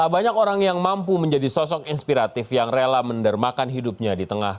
barangkali ada manfaatnya